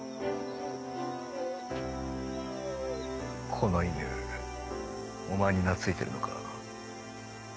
この犬お前に懐いてるのか？